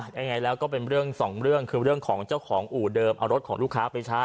ยังไงแล้วก็เป็นเรื่องสองเรื่องคือเรื่องของเจ้าของอู่เดิมเอารถของลูกค้าไปใช้